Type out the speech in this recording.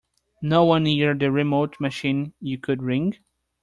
No one near the remote machine you could ring?